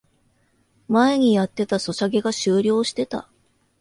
前にやってたソシャゲが終了してた